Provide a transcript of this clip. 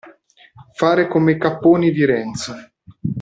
Fare come i capponi di Renzo.